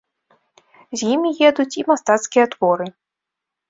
З імі едуць і мастацкія творы.